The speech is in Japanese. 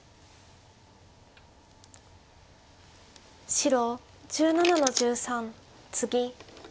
白１７の十三ツギ。